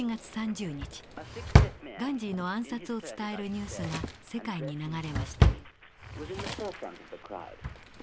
ガンジーの暗殺を伝えるニュースが世界に流れました。